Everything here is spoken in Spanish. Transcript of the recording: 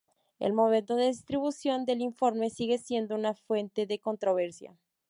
El momento de distribución del informe sigue siendo una fuente de controversia.